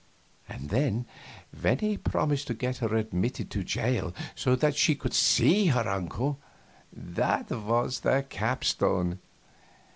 And then, when he promised to get her admitted to the jail so that she could see her uncle, that was the capstone.